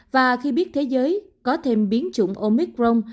và khi biết thế giới có thêm biến chủng omicron